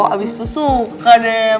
abis itu suka deh